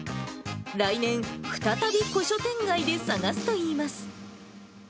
来年、再び古書店街で探すといいます。